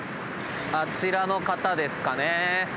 あちらの方ですかね。